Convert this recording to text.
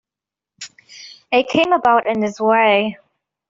It came about in this way.